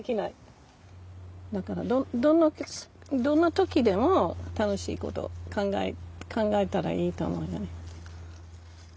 だからどんな時でも楽しい事考えたらいいと思うよね。